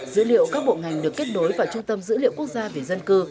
dữ liệu các bộ ngành được kết nối vào trung tâm dữ liệu quốc gia về dân cư